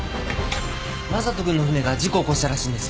真人君の船が事故を起こしたらしいんです。